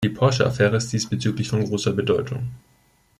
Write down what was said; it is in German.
Die Porsche-Affäre ist diesbezüglich von großer Bedeutung.